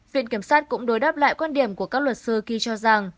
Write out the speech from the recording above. viện kiểm sát cũng đối đáp lại quan điểm của các luật sư khi cho rằng